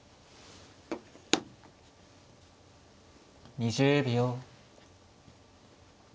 ２０秒。